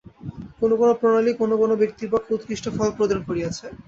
কোন কোন প্রণালী কোন কোন ব্যক্তির পক্ষে উৎকৃষ্ট ফল প্রদান করিয়াছে।